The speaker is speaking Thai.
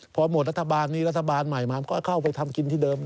พอหมดรัฐบาลนี้รัฐบาลใหม่มาก็เข้าไปทำกินที่เดิม